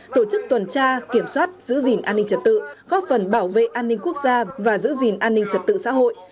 tổ chức tuần tra kiểm soát giữ gìn an ninh trật tự góp phần bảo vệ an ninh quốc gia và giữ gìn an ninh trật tự xã hội